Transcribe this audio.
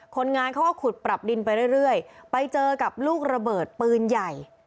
คนงานเขาก็ขุดปรับดินไปเรื่อยไปเจอกับลูกระเบิดปืนใหญ่